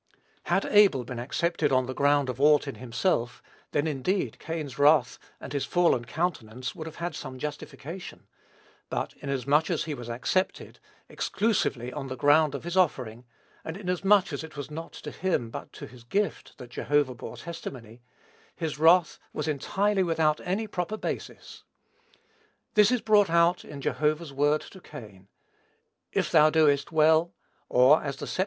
Had Abel been accepted on the ground of aught in himself, then, indeed, Cain's wrath and his fallen countenance would have had some just foundation; but, inasmuch as he was accepted, exclusively on the ground of his offering; and, inasmuch as it was not to him, but to his gift, that Jehovah bore testimony, his wrath was entirely without any proper basis. This is brought out in Jehovah's word to Cain: "If thou doest well, (or, as the LXX.